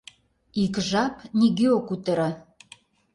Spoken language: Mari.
Ик жап нигӧ ок кутыро.